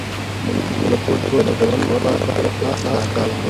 موږ د پښتو د غني کولو لپاره په اخلاص کار کوو.